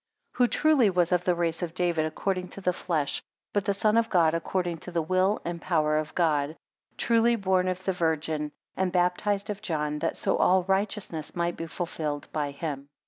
4 Who truly was of the race of David according to the flesh, but the Son of God according to the will and power of God; truly born of the Virgin, and baptised of John; that so all righteousness might be fulfilled by him.